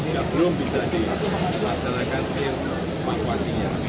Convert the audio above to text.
yang belum bisa dilaksanakan evakuasinya